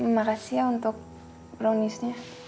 makasih ya untuk browniesnya